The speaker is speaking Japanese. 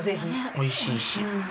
おいしいし。